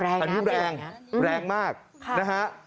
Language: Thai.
อันนี้แรงแรงมากนะฮะ